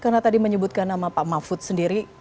karena tadi menyebutkan nama pak mahfud sendiri